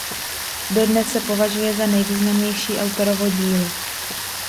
Dodnes se považuje za nejvýznamnější autorovo dílo.